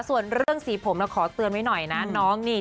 ส่วนเรื่องสีผมเราขอเตือนไว้หน่อยนะน้องนี่